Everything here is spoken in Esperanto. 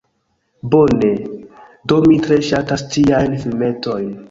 Bone, do mi tre ŝatas tiajn filmetojn